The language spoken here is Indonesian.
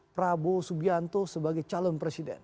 prabowo subianto sebagai calon presiden